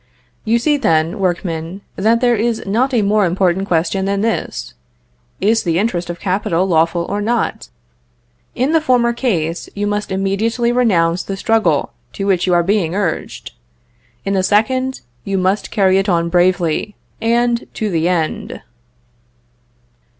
You see, then, workmen, that there is not a more important question than this: "Is the interest of capital lawful or not?" In the former case, you must immediately renounce the struggle to which you are being urged; in the second, you must carry it on bravely, and to the end.